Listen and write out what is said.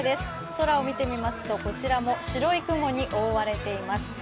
空を見てみますとこちらも白い雲に覆われています。